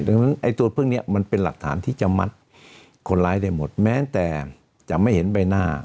ดังนั้นไอ้ตัวพวกนี้มันเป็นหลักฐานที่จะมัดคนร้ายได้หมดแม้แต่จะไม่เห็นใบหน้า